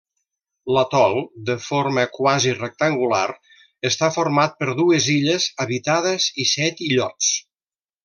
L'atol, de forma quasi rectangular, està format per dues illes habitades i set illots.